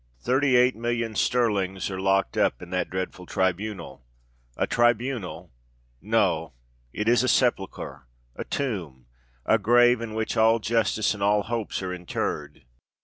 Thirty eight millions sterling are locked up in that dreadful tribunal. A tribunal!—no—it is a sepulchre—a tomb—a grave in which all justice and all hopes are interred!